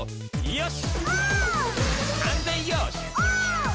「よし！」